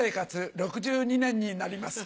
６２年になります。